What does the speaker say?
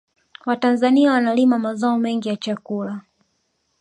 watanzania wanalima mazao mengi ya chakula